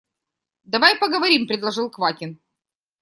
– Давай поговорим, – предложил Квакин.